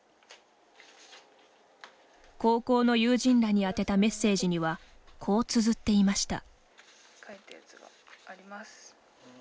高校の友人らに宛てたメッセージにはこうつづっていました。